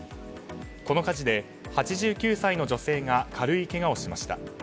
この火事で８９歳の女性が軽いけがをしました。